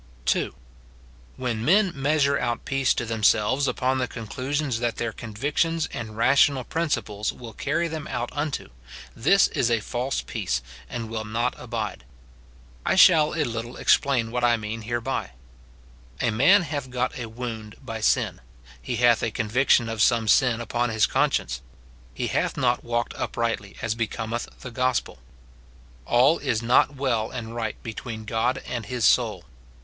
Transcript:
2. When men measure out peace to themselves upon the conclusions that their convictions and rational prin ciples will carry them out unto, this is a false peace, and * 1 Juhu ii. 15. ^ 24* 282 MORTIFICATION OF will not abide. I shall a little explain what I mean hereby. A man hath got a wound by sin ; he hath a conviction of some sin upon his conscience ; he hath not walked uprightly as becometh the gospel ; all is not well and right between God and his soul.